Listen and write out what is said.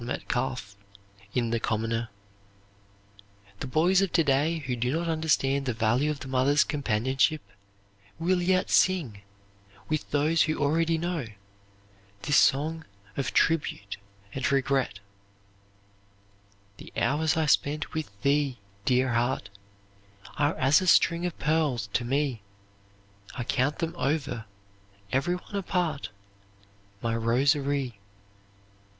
Metcalfe, in the "Commoner." "The boys of to day who do not understand the value of the mother's companionship will yet sing with those who already know this song of tribute and regret: "'The hours I spent with thee, dear heart, Are as a string of pearls to me; I count them over, every one apart, My rosary.